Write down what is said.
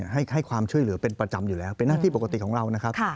ให้ความช่วยเหลือเป็นประจำอยู่แล้วเป็นหน้าที่ปกติของเรานะครับ